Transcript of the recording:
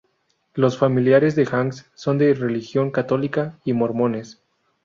Los familiares de Hanks son de religión católica y mormones.